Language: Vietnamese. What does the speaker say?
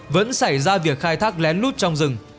vẫn xảy ra việc khai thác lén lút trong rừng